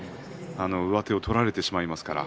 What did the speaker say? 上手を取られてしまいますから。